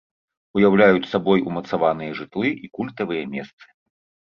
Уяўляюць сабой умацаваныя жытлы і культавыя месцы.